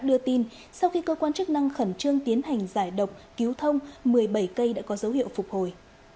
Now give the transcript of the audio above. đưa tin sau khi cơ quan chức năng khẩn trương tiến hành giải độc cứu thông một mươi bảy cây đã có dấu hiệu phục hồi